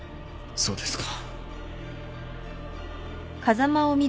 そうですか。